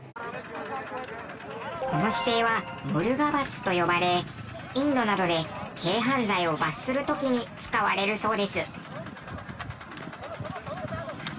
この姿勢はムルガ罰と呼ばれインドなどで軽犯罪を罰する時に使われるそうです。